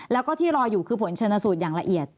แล้วก็ที่รออยู่คือผลชนสูตรอย่างละเอียด